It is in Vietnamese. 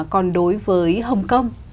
còn đối với hồng kông